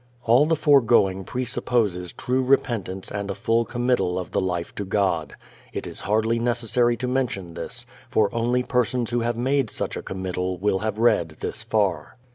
All the foregoing presupposes true repentance and a full committal of the life to God. It is hardly necessary to mention this, for only persons who have made such a committal will have read this far.